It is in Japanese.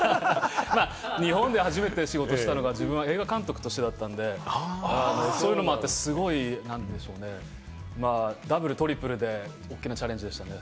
日本で初めて仕事をしたのは自分は映画監督だったので、そういうのもあってダブル、トリプルで大きなチャレンジでしたね。